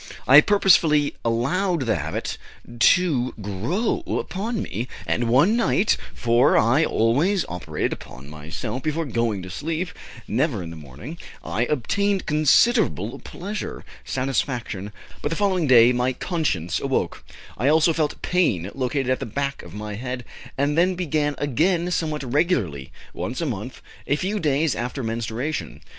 I purposely allowed the habit to grow upon me, and one night for I always operated upon myself before going to sleep, never in the morning I obtained considerable pleasurable satisfaction, but the following day my conscience awoke; I also felt pain located at the back of my head and down the spinal column. I ceased my operations for a time, and then began again somewhat regularly, once a month, a few days after menstruation.